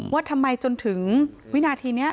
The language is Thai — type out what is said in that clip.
ว่าทำไมจนถึงวินาทีนี้